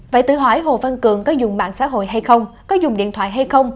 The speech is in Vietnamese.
vậy tự hỏi hồ văn cường có dùng mạng xã hội hay không có dùng điện thoại hay không